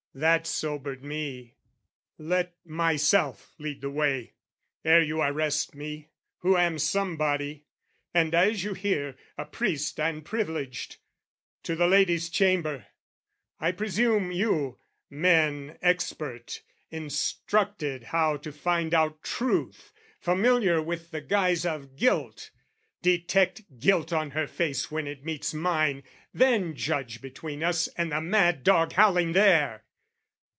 That sobered me. "Let myself lead the way "Ere you arrest me, who am somebody, "And, as you hear, a priest and privileged, "To the lady's chamber! I presume you men "Expert, instructed how to find out truth, "Familiar with the guise of guilt. Detect "Guilt on her face when it meets mine, then judge "Between us and the mad dog howling there!"